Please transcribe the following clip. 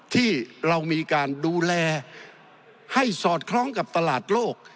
ที่เรามีการดูแลให้สอดคล้องกับตลาดโลก